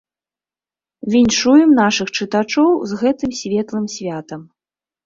Віншуем нашых чытачоў з гэтым светлым святам.